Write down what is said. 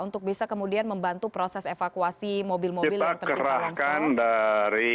untuk bisa kemudian membantu proses evakuasi mobil mobil yang tertimpa longsor